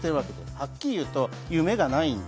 はっきり言うと夢がない。